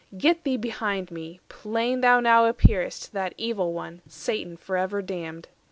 Get thee behind me! Plain thou now appear'st That Evil One, Satan for ever damned."